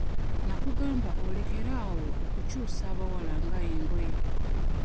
Nakugamba olekere awo okukyusa abawala nga engoye.